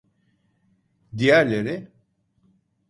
Diğerleri?